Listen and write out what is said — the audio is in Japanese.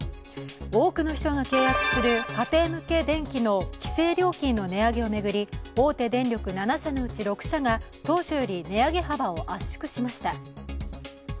多くの人が契約する家庭向け電気の規制料金の値上げを巡り、大手電力７社のうち６社が当初より値上げ幅を圧縮しました。